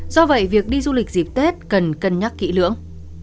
do vậy việc đi du lịch dịp tết cần cân nhắc kỹ lưỡng